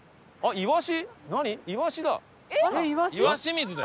「イワシ」。